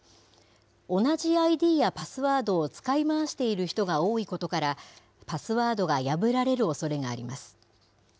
同じＩＤやパスワードを使い回している人が多いことから、パスワードが破られるおそれがあります。